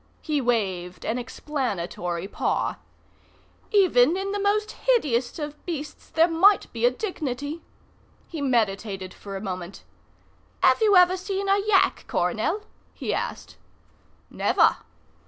He waved an explanatory paw. "Even in the most hideous of beasts there might be a dignity." He meditated for a moment. "Have you ever seen a yak, Coronel?" he asked. "Never."